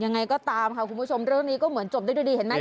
ยังไงก็ตามค่ะคุณผู้ชมเรื่องนี้ก็เหมือนจบได้ด้วยดีเห็นไหม